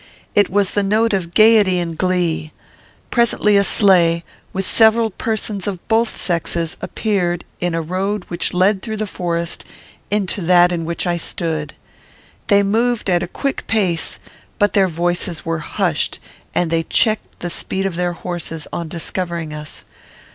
It was the note of gayety and glee. Presently a sleigh, with several persons of both sexes, appeared, in a road which led through the forest into that in which I stood. They moved at a quick pace, but their voices were hushed, and they checked the speed of their horses, on discovering us.